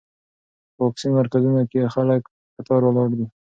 په واکسین مرکزونو کې خلک په کتار ولاړ دي.